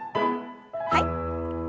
はい。